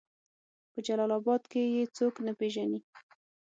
په جلال آباد کې يې څوک نه پېژني